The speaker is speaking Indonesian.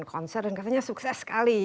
konser dan katanya sukses sekali